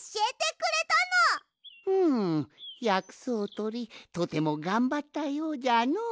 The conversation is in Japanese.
うんやくそうとりとてもがんばったようじゃのう。